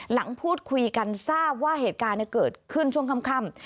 หลังพูดคุยกันทราบว่าเหตุการณ์เกิดขึ้นช่วงค่ำ